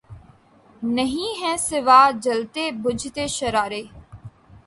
نہیں ھیں سوا جلتے بجھتے شرارے